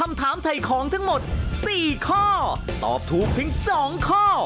ราคามหาชนนะคะเฉลี่ยมาแล้วนะคะ